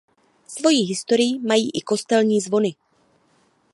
Svoji historii mají i kostelní zvony.